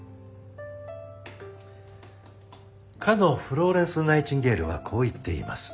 かのフローレンス・ナイチンゲールはこう言っています。